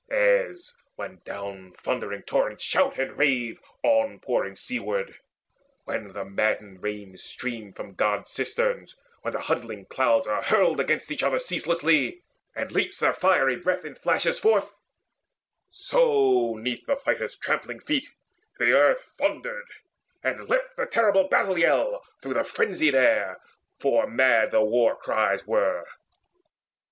As when down thundering torrents shout and rave On pouring seaward, when the madding rains Stream from God's cisterns, when the huddling clouds Are hurled against each other ceaselessly, And leaps their fiery breath in flashes forth; So 'neath the fighters' trampling feet the earth Thundered, and leapt the terrible battle yell Through frenzied air, for mad the war cries were.